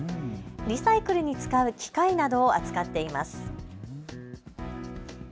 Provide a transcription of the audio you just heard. リサイクルに使う機械などを扱っています。